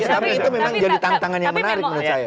tapi itu memang jadi tantangannya menarik menurut saya